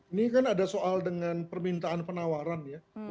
ini kan ada soal dengan permintaan penawaran ya